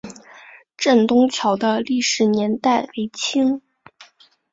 镇东桥的历史年代为清。